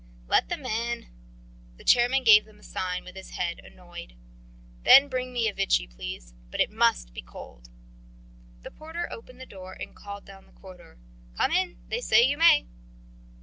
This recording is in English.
"Let them in." The chairman gave a sign with his head, annoyed. "Then bring me a Vichy, please. But it must be cold." The porter opened the door and called down the corridor: "Come in. They say you may."